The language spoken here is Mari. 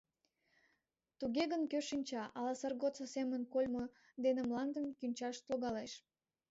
Туге гын, кӧ шинча, ала сар годсо семын кольмо дене мландым кӱнчаш логалеш...